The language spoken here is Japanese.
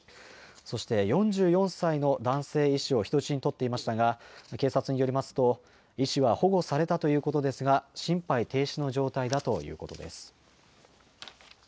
そして、４４歳の男性医師を人質に取っていましたが、警察によりますと、医師は保護されたということですが、心肺停止の状態だということです。